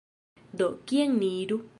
Do, kien ni iru?